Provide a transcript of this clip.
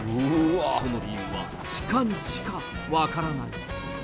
その理由はシカにしか分からない。